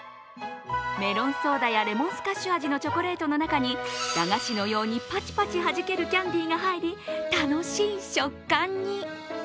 メロンソーダやレモンスカッシュ味のチョコレートの中に駄菓子のようにパチパチはじけるキャンディーが入り、楽しい食感に。